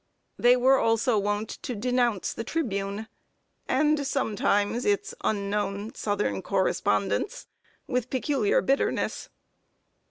They were also wont to denounce The Tribune, and sometimes its unknown Southern correspondents, with peculiar bitterness.